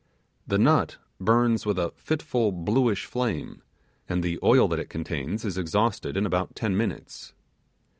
The nut burns with a fitful bluish flame, and the oil that it contains is exhausted in about ten minutes.